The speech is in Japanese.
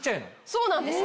そうなんです。